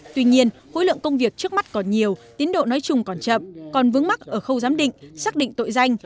tuy nhiên khối lượng công việc trước mắt còn nhiều tiến độ nói chung còn chậm còn vướng mắt ở khâu giám định xác định tội danh